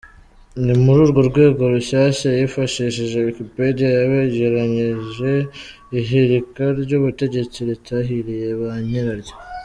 Ni muri urwo rwego Rushyashya yifashishije Wikipedia yabegeranyirije ihirika ry’ubutegetsi ritahiriye ba nyiraryo.